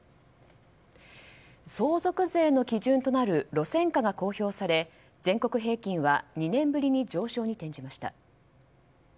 相続税の基準となる路線価が公表され全国平均は２年ぶりに上昇に転じました。